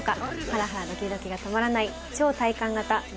ハラハラドキドキが止まらない超体感型謎解き